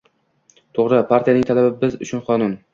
— To‘g‘ri, partiyaning talabi biz uchun qonun!